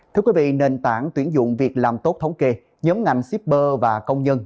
thưa quý vị nền tảng tuyển dụng việc làm tốt thống kê nhóm ngành shipper và công nhân